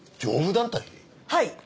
はい。